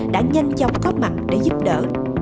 đã nhanh chóng có mặt để giúp đỡ